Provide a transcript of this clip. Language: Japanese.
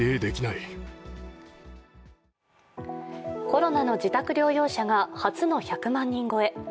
コロナの自宅療養者が初の１００万人超え。